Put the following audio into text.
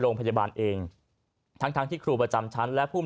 ก็บอกว่ารู้สึกไม่พอใจเลยครับ